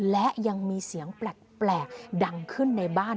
และยังมีเสียงแปลกดังขึ้นในบ้าน